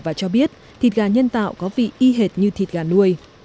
và cho biết thịt gà nhân tạo có vị y hệt như thịt gà nuôi